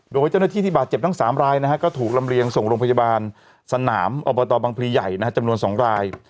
โดยเจ้าหน้าที่ที่บาดเจ็บทั้ง๓รายก็ถูกลำเลียงส่งโรงพยาบาลสนามอบตบังพลีใหญ่จำนวน๒ราย